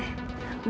gue bakal urus dia